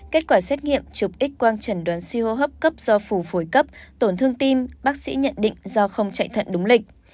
kết quả xét nghiệm chụp x quang trần đoán suy hô hấp cấp do phù phổi cấp tổn thương tim bác sĩ nhận định do không chạy thận đúng lịch